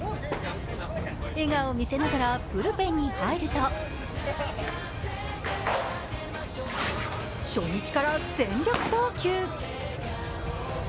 笑顔を見せながらブルペンに入ると初日から全力投球。